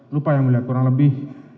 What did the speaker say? lupa yang melihat kurang lebih